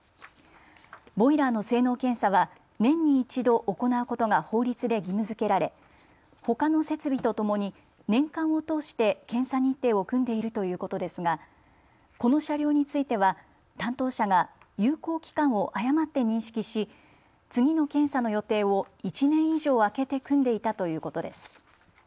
ボイラーの性能検査は年に一度行うことが法律で義務づけられほかの設備とともに年間を通して検査日程を組んでいるということですがこの車両については担当者が有効期間を誤って認識し次の検査の予定を１年以上空けて組んでいたということです。